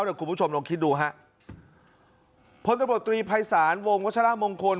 เดี๋ยวคุณผู้ชมลองคิดดูฮะพลตำรวจตรีภัยศาลวงวัชละมงคล